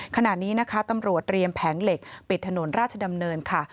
ขณะนี้นะคะตำรวจเตรียมแผงเหล็กปิดถนนราชดำเนินค่ะ